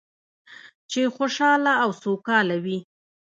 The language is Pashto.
چې خوشحاله او سوکاله وي.